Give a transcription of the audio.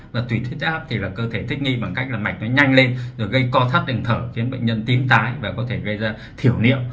và tùy huyết áp thì là cơ thể thích nghi bằng cách là mạch nó nhanh lên rồi gây co thắt đỉnh thở khiến bệnh nhân tím tái và có thể gây ra thiểu niệm